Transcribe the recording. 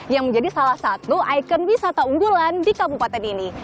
yang menjadi salah satu ikon wisata unggulan di kabupaten ini